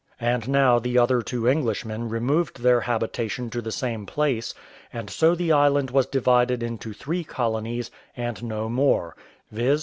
And now the other two Englishmen removed their habitation to the same place; and so the island was divided into three colonies, and no more viz.